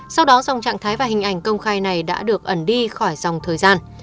sau đó dòng trạng thái và hình ảnh công khai này đã được ẩn đi khỏi dòng thời gian